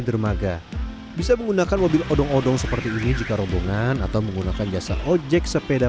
dermaga bisa menggunakan mobil odong odong seperti ini jika rombongan atau menggunakan jasa ojek sepeda